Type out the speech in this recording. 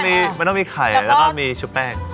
มันต้องมีไข่แล้วก็มีชุบแป้ง